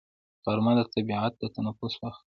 غرمه د طبیعت د تنفس وخت دی